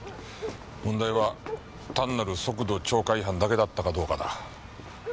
問題は単なる速度超過違反だけだったかどうかだ。